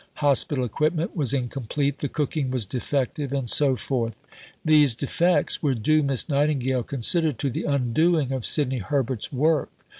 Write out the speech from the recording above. Hospital equipment was incomplete. The cooking was defective, and so forth. These defects were due, Miss Nightingale considered, to the undoing of Sidney Herbert's work.